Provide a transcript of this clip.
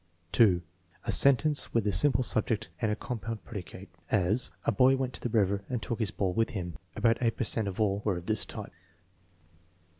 () A sentence with a simple subject and a compound predicate; as: "A boy went to the river and took his ball with him." About 8 per cent of all were of this type.